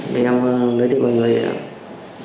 để em lấy tiền của mọi người để em chơi thiệt